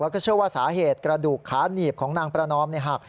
แล้วก็เชื่อว่าสาเหตุกระดูกขาหนีบของนางประนอมหัก